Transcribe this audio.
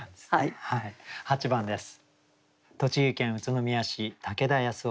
８番です。